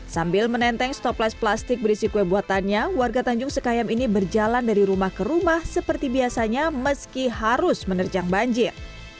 sambil menenteng stopless plastik berisi kue buatannya warga tanjung sekayam ini berjalan dari rumah ke rumah seperti biasanya meski harus menerjang banjir